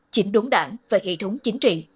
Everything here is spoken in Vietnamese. chỉnh đốn đảng và hệ thống chính trị